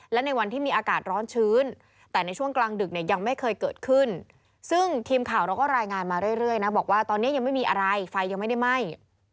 และในวันที่มีอากาศร้อนชื้นแต่ในช่วงกลางดึกเนี่ยยังไม่เคยเกิดขึ้นซึ่งทีมข่าวเราก็รายงานมาเรื่อยนะบอกว่าตอนนี้ยังไม่มีอะไรไฟยังไม่ได้ไหม้